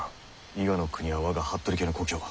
伊賀国は我が服部家の故郷。